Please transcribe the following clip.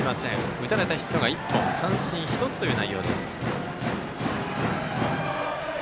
打たれたヒットが１本三振１つという内容です。